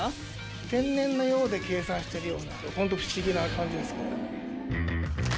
天然のようで計算しているような、本当不思議な感じですね。